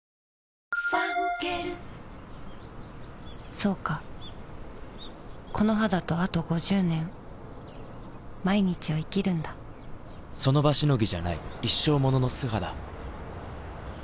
そうかこの肌とあと５０年その場しのぎじゃない一生ものの素肌